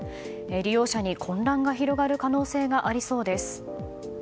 利用者に混乱が広がる可能性がありそうです。